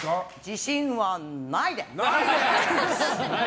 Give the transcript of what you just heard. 自信はないです！